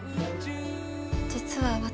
実は私。